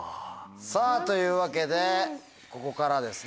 さぁというわけでここからですね。